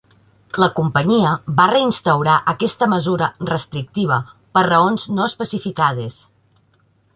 La companyia va reinstaurar aquesta mesura restrictiva per raons no especificades.